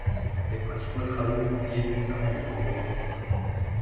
Les principaux travaux publiés concernaient les Coléoptères.